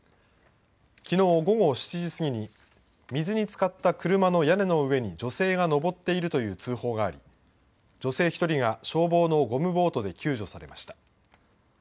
きのう午後７時過ぎに水につかった車の屋根の上に女性が上っているという通報があり女性１人が消防のゴムボートで救助されました。